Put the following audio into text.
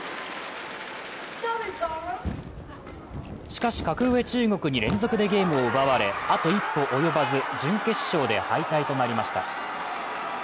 しかし格上・中国に連続でゲームを奪われあと一歩及ばず、準決勝で敗退となりました。